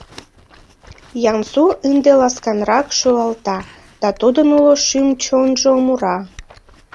Ян-Су ынде ласканрак шӱлалта, да тудын уло шӱм-чонжо мура: